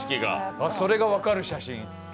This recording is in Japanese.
それが分かる写真。